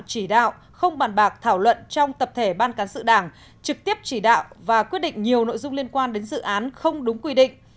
chỉ đạo không bàn bạc thảo luận trong tập thể ban cán sự đảng trực tiếp chỉ đạo và quyết định nhiều nội dung liên quan đến dự án không đúng quy định